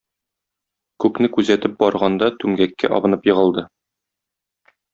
Күкне күзәтеп барганда түмгәккә абынып егылды.